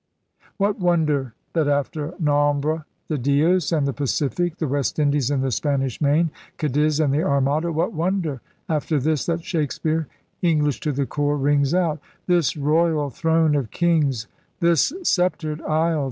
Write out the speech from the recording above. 204 ELIZABETHAN SEA DOGS What wonder that after Nombre de Dios and the Pacific, the West Indies and the Spanish Main, Cadiz and the Armada, what wonder, after this, that Shakespeare, English to the core, rings out: — This royal throne of kings, this sceptred isle.